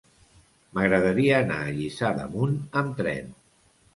M'agradaria anar a Lliçà d'Amunt amb tren.